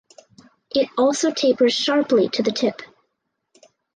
It also tapers sharply to the tip.